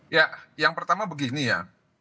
ya yang pertama begini ya